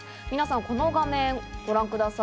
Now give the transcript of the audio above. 皆さん、この画面をご覧ください。